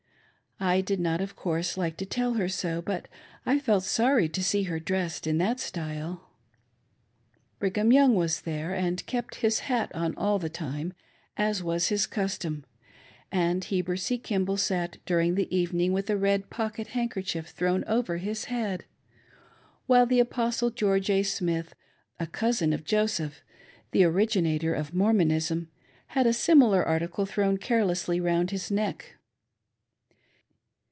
I did not, of course, like to tell her so, but I felt sorry to see her dressed in that style. Brigham Young was there, and kept his hat on all the time, as was his custom ; and Heber C. Kimball sat during the evening with a red pocket handkerchief thrown over his head, while the Apostle George A. Smith, a cousin of Joseph, the ori ginator of Mormonism, had a similar article thrown carelessly round his neck.